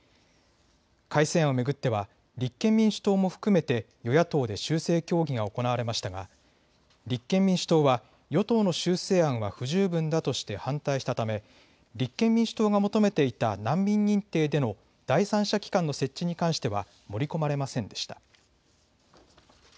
改正案を巡っては立憲民主党も含めて与野党で修正協議が行われましたが立憲民主党は与党の修正案は不十分だとして反対したため立憲民主党が求めていた難民認定での第三者機関の設置に関しては盛り込まれませんでした。